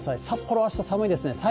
札幌はあした寒いですね。